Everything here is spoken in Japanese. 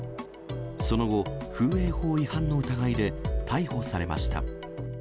その後、風営法違反の疑いで逮捕されました。